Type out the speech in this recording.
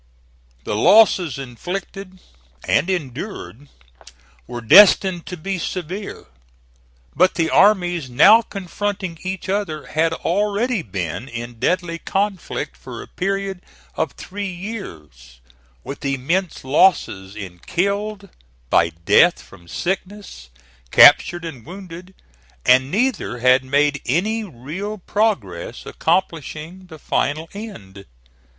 The losses inflicted, and endured, were destined to be severe; but the armies now confronting each other had already been in deadly conflict for a period of three years, with immense losses in killed, by death from sickness, captured and wounded; and neither had made any real progress accomplishing the final end.